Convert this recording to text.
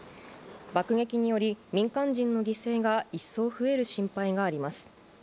爆撃により、民間人の犠牲が一層増える心配があります。